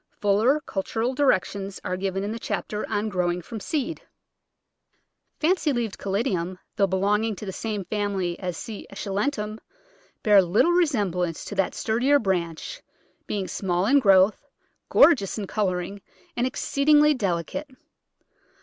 Fuller cultural directions are given in the chapter on growing from seed. Fancy leaved Caladiums, though belonging to the same family as C. esculentum, bear little resemblance to that sturdier branch, being small in growth, gor geous in colouring, and exceedingly delicate.